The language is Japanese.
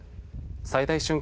最大瞬間